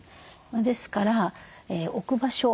ですから置く場所。